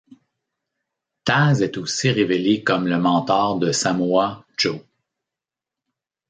Taz est aussi révélé comme le mentor de Samoa Joe.